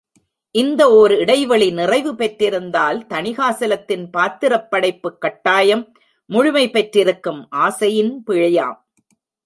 இந்த ஓர் இடைவெளி நிறைவு பெற்றிருந்தால், தணிகாசலத்தின் பாத்திரப் படைப்பு கட்டாயம் முழுமை பெற்றிருக்கும் ஆசையின் பிழையாம்...!